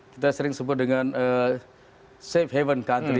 kita sering sebut dengan safe haven country